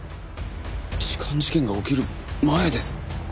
痴漢事件が起きる前です。